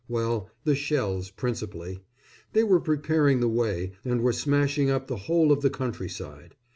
Well, the shells, principally. They were preparing the way, and were smashing up the whole of the countryside.